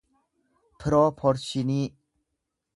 pirooporshinii